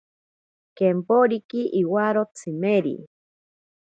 Kemporiki iwaro tsimeri.